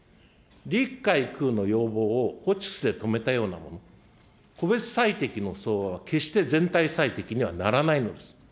陸海空の要望をホッチキスでとめたようなもの、個別最適のそうわは決して全体最適にはならないのです。